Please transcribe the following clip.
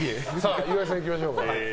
岩井さん、いきましょうか。